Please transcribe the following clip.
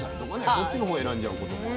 そっちの方を選んじゃうこともある。